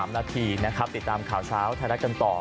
๖๕๓นาทีติดตามข่าวเช้าท้ายรักกันต่อ